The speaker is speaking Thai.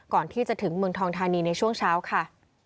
ก่อนที่จะถึงเมืองทองทานีในช่วงเช้าค่ะ